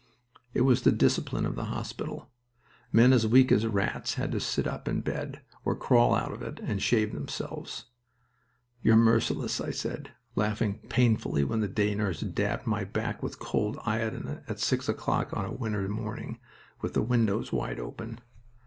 It was the discipline of the hospital. Men as weak as rats had to sit up in bed, or crawl out of it, and shave themselves. "You're merciless!" I said, laughing painfully when the day nurse dabbed my back with cold iodine at six o'clock on a winter morning, with the windows wide open.